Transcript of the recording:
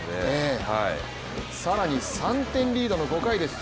更に３点リードの５回です。